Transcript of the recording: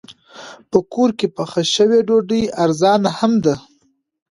په کور کې پخه شوې ډوډۍ ارزانه هم ده.